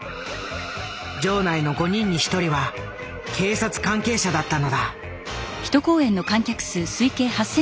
場内の５人に１人は警察関係者だったのだ。